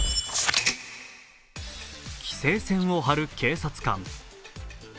規制線を張る警察官。